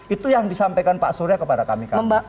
itu yang disampaikan pak surya kepada kami kami